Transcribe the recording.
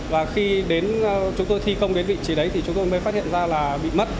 và khi đến chúng tôi thi công đến vị trí đấy thì chúng tôi mới phát hiện ra là bị mất